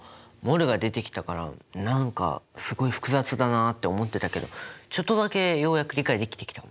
ｍｏｌが出てきたから何かすごい複雑だなって思ってたけどちょっとだけようやく理解できてきた。